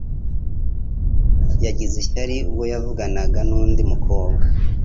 Yagize ishyari ubwo yavuganaga nundi mukobwa